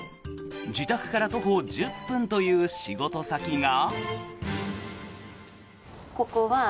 自宅から徒歩１０分という仕事先が。